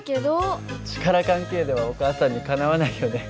力関係ではお母さんにかなわないよね。